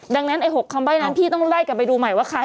ดังนั้นไอ้๖คำใบ้นั้นพี่ต้องไล่กลับไปดูใหม่ว่าใคร